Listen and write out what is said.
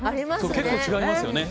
結構違いますよね。